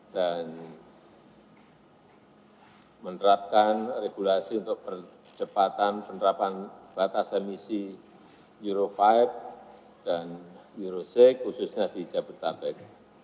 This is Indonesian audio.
dan menerapkan regulasi untuk percepatan penerapan batas emisi euro lima dan euro enam khususnya di jabodetabek